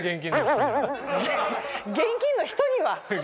「現金の人には」？